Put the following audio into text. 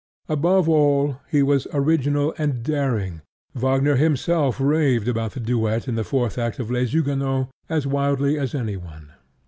Above all, he was original and daring. Wagner himself raved about the duet in the fourth act of Les Huguenots as wildly as anyone.